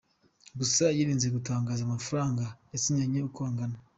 Gusa yirinze gutangaza amafaranga basinyanye uko angana.